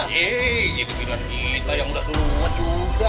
hei itu pilihan kita yang udah keluar juga